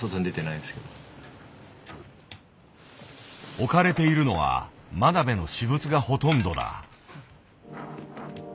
置かれているのは真鍋の私物がほとんどだ。